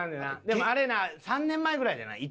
でもあれな３年前ぐらいじゃない？